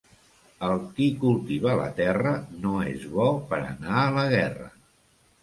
El qui cultiva la terra no és bo per anar a la guerra.